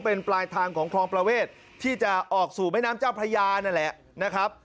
เป็นปลายทางของคลองประเวทที่จะออกสู่แม่น้ำเจ้าพระยานั่นแหละนะครับ